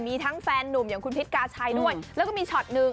มีทั้งแฟนหนุ่มอย่างคุณพิษกาชัยด้วยแล้วก็มีช็อตหนึ่ง